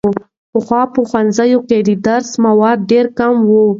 پخوا به په ښوونځیو کې د درسي موادو ډېر کمی و.